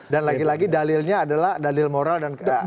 dan lagi lagi dalilnya adalah dalil moral dan agama